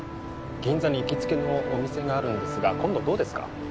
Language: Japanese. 銀座に行きつけのお店があるんですが今度どうですか？